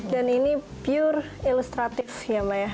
dan ini pure illustratif ya mbak ya